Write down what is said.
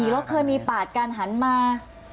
รถเคยมีปาดกันหันมา